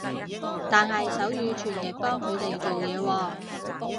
但係手語傳譯幫佢哋做嘢喎